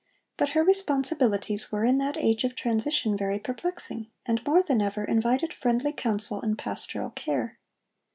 But her responsibilities were in that age of transition very perplexing, and more than ever invited friendly counsel and pastoral care.